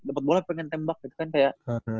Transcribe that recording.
dapat bola pengen tembak gitu kan kayak